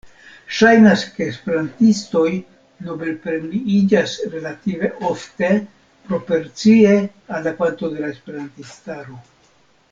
Ŝajnas ke esperantistoj Nobel-premiiĝas relative ofte, proporcie al la kvanto de la esperantistaro.